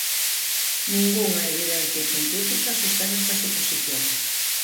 Ningunha evidencia científica sostén esta suposición.